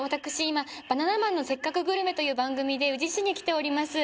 今「バナナマンのせっかくグルメ！！」という番組で宇治市に来ております